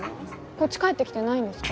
こっち帰ってきてないんですか？